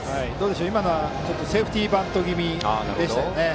今のはセーフティーバント気味でしたね。